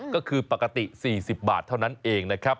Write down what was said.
ก็คือปกติ๔๐บาทเท่านั้นเองนะครับ